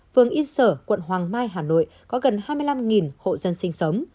phường yên sở quận hoàng mai hà nội có gần hai mươi năm hộ dân sinh sống